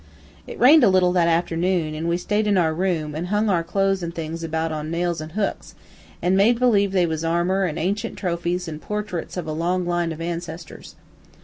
"It rained a little that afternoon, an' we stayed in our room, an' hung our clothes an' things about on nails an' hooks, an' made believe they was armor an' ancient trophies an' portraits of a long line of ancesters.